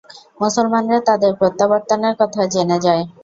মুসলমানরা তাদের প্রত্যাবর্তনের কথা জেনে যায়।